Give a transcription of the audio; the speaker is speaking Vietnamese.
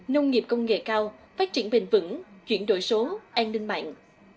nông nghiệp công nghệ cao phát triển bền vững chuyển đổi số an ninh mạng